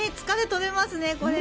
疲れが取れますね。